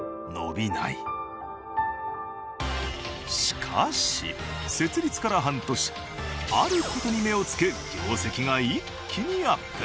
しかし設立から半年ある事に目をつけ業績が一気にアップ。